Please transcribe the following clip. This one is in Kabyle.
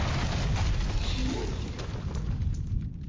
Skecmen-k?